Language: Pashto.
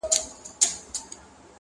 بیا میندل یې په بازار کي قیامتي وه،